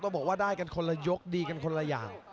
จังหวาดึงซ้ายตายังดีอยู่ครับเพชรมงคล